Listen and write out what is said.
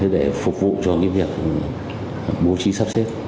để phục vụ cho việc bố trí sắp xếp